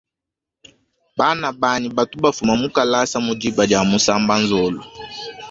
Bana banyi batu ba fuma mukalasa mudiba dia musamba nzolu.